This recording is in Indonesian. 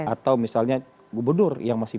atau misalnya gubernur yang masih